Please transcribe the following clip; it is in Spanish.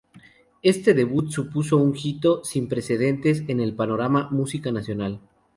Este debut supuso un hito sin precedentes en el panorama musical nacional.